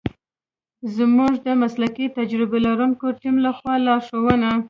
زمونږ د مسلکي تجربه لرونکی تیم لخوا لارښونه